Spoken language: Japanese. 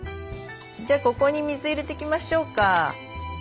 じゃあここに水入れていきましょうか。